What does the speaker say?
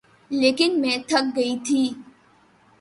لیکن میں تھک گئی تھی